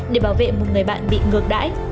để bảo vệ một người bạn bị ngược đãi